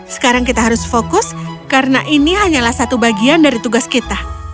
sekarang kita harus fokus karena ini hanyalah satu bagian dari tugas kita